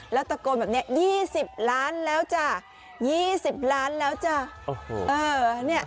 แล้วตะโกนแบบเนี้ยยี่สิบล้านแล้วจ้ายี่สิบล้านแล้วจ้าโอ้โหเอ่อเนี้ย